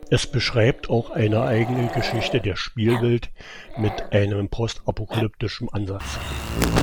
Es beschreibt auch eine eigene Geschichte der Spielwelt, mit einem postapokalyptischen Ansatz.